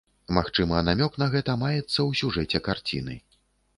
Магчыма, намёк на гэта маецца ў сюжэце карціны.